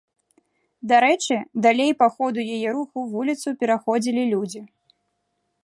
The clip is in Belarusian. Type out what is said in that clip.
Дарэчы, далей па ходу яе руху вуліцу пераходзілі людзі.